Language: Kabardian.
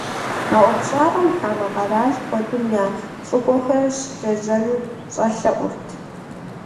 А ӏуэхущӏапӏэм хамэ къэрал куэдым я лӀыкӀуэхэр щылэжьэну щӀэлъэӀурт.